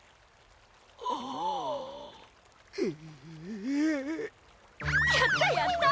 えぇやったやった！